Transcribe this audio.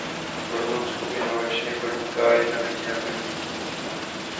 V Rumunsku inovačně podniká jedna pětina podniků.